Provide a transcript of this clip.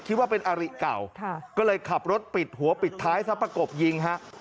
คิดว่าเป็นอาริเก่าก็เลยขับรถปิดหัวปิดท้ายซะประกบยิงฮะ